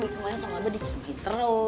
dari kemarin sama abah diceramahin terus